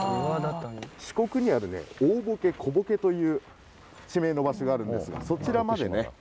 四国にある大歩危小歩危という地名の場所があるんですがそちらまでね